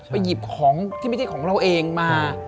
หยิบของที่ไม่ใช่ของเราเองมา